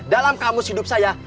dalam kamus hidup saya